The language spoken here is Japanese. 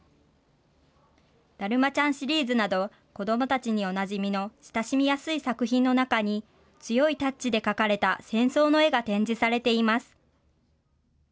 だるまちゃんシリーズなど、子どもたちにおなじみの親しみやすい作品の中に、強いタッチで描かれた戦争の絵が展示されています。